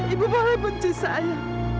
ibu boleh benci saya